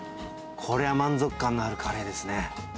これは満足感のあるカレーですね。